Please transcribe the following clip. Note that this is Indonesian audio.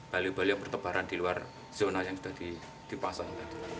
bali bali yang bertebaran di luar zona yang sudah dipasang